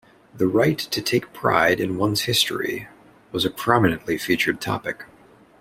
The right to take pride in one's history was a prominently featured topic.